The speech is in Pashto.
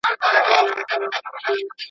بې غاښو خوله به یې وازه وه نیولې.